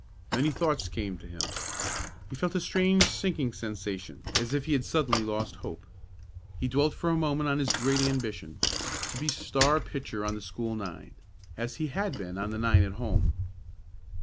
Many thoughts came to him. He felt a strange sinking sensation, as if he had suddenly lost hope. He dwelt for a moment on his great ambition, to be the star pitcher on the school nine, as he had been on the nine at home.